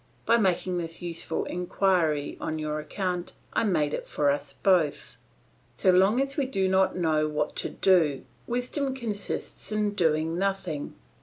By making this useful inquiry on your account, I made it for us both. "So long as we do not know what to do, wisdom consists in doing nothing.